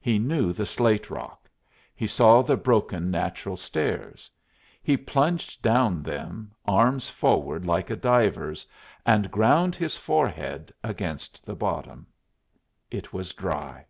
He knew the slate rock; he saw the broken natural stairs. He plunged down them arms forward like a diver's, and ground his forehead against the bottom. It was dry.